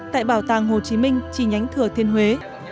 tại bảo tàng hồ chí minh chi nhánh thừa thiên huế